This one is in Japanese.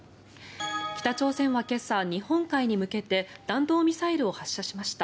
北朝鮮は今朝、日本海に向けて弾道ミサイルを発射しました。